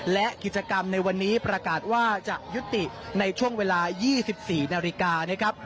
และกิจกรรมในวันนี้ประกาศว่าจะยุติในช่วงเวลา๒๔นาฬิกานะครับ